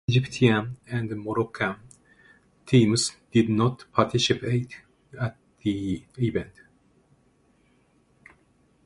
Egyptian and Moroccan teams did not participate at the event.